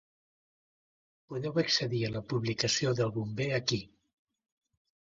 Podeu accedir a la publicació del bomber aquí.